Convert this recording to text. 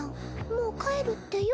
もう帰るってよ。